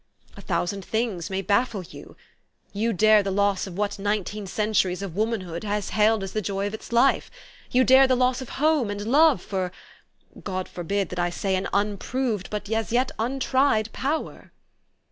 A thou sand things may baffle you. You dare the loss of what nineteen centuries of womanhood has held as the life of its life ; you dare the. loss of home and love for God forbid that I say an unproved but as 3'et untried power."